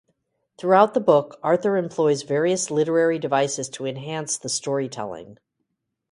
Throughout the book, Arthur employs various literary devices to enhance the storytelling.